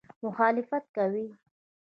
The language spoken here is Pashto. مخالفت کوي.